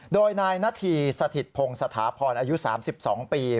โดยนายนาธีสถิตพงศ์สถาพรอายุ๓๒ปี